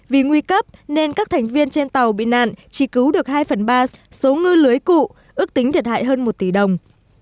vì nguy cấp nên các thành viên trên tàu bị nạn chỉ cứu được hai phần ba số ngư lưới cụ ước tính thiệt hại hơn một tỷ đồng